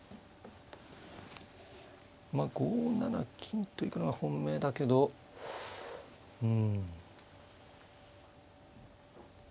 まあ５七金と行くのが本命だけどうん。